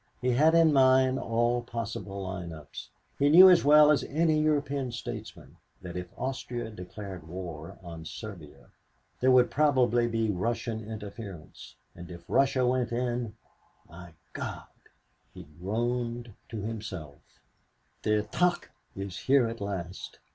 He had in mind all possible lineups. He knew as well as any European statesman that if Austria declared war on Serbia, there would probably be Russian interference, and if Russia went in "My God," he groaned to himself, "Der Tag is here at last.